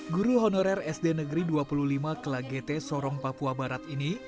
guru honorer sd negeri dua puluh lima kela gt sorong papua barat ini